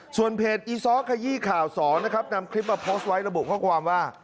ส่วนเพจอีซ้อขยี้ข่าว๒นะครับนำคลิปมาโพสต์ไว้ระบุข้อความว่า